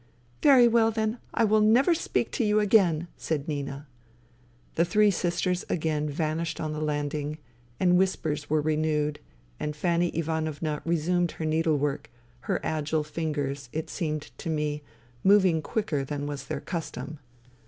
" Very well, then, I will never speak to you again,*' said Nina. The three sisters again vanished on the landing, and whispers were renewed, and Fanny Ivanovna resumed her needlework, her agile fingers, it seemed to me, moving quicker than was their custom.